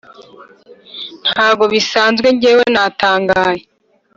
ntago bisanzwe njyewe natangaye